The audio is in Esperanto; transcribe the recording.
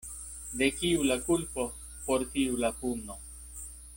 De kiu la kulpo, por tiu la puno.